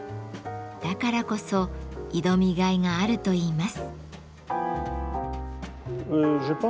だからこそ挑みがいがあるといいます。